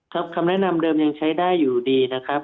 คำแนะนำเดิมยังใช้ได้อยู่ดีนะครับ